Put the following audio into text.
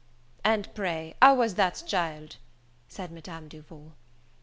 "And pray how was that, child?" said Madame Duval.